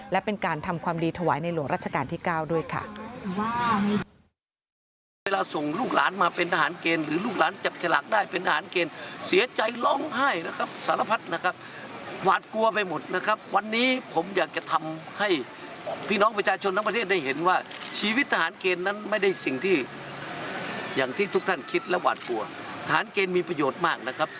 และเป็นการทำความดีถวายในหลวงราชการที่๙ด้วยค่ะ